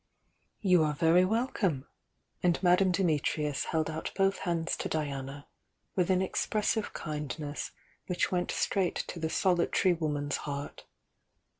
"You are very welcome,"— and Madame Dimit riua held out both hands to Diana, with an expres sive kindness which went straight to the solitary woman's heart.